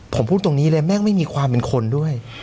ผมพูดตรงนี้เลยแม่งไม่มีความเป็นคนด้วย